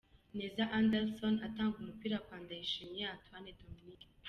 Neza Anderson atanga umupira kwa Ndayishimiye Antoine Dominique.